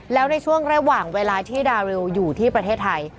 แล้วในช่วงระหว่างเวลาที่ดาริวอยู่ที่ประเทศไทย